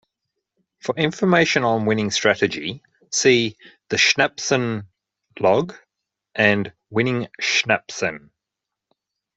For information on winning strategy, see "The Schnapsen Log" and "Winning Schnapsen".